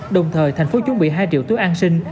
đồng thời thành phố chuẩn bị hai triệu túi an sinh